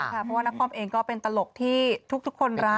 เพราะว่านครเองก็เป็นตลกที่ทุกคนรัก